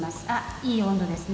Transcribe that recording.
いい温度ですね。